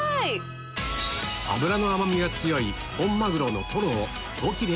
脂の甘みが強い本マグロのトロを５切れ